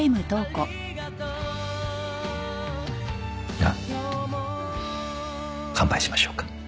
じゃあ乾杯しましょうか。